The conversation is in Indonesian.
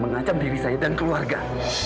mengancam diri saya dan keluarga